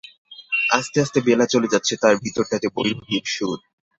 আস্তে আস্তে বেলা চলে যাচ্ছে, তার ভিতরটাতে ভৈরবীর সুর।